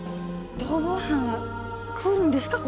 逃亡犯が来るんですか？